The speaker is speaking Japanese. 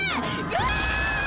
「うわ！」